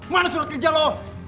mana surat kerja lu